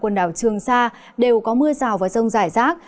quần đảo trường sa đều có mưa rào và rông rải rác